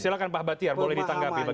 silahkan pak batiar boleh ditanggapi